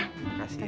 terima kasih ya